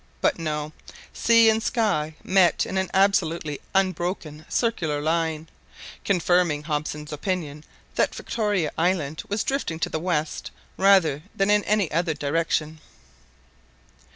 But no, sea and sky met in an absolutely unbroken circular line, confirming Hobson's opinion that Victoria Island was drifting to the west rather than in any other direction.